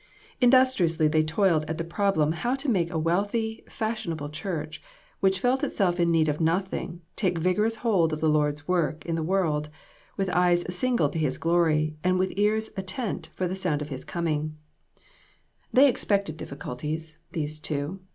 Industriously they toiled at the problem how to make a wealthy, fashionable church, which felt itself in need of nothing, take vigorous hold of the Lord's work in the world, with eyes single to his glory, and with ears attent for the sound of his 2/6 INTRICACIES. They expected difficulties these two.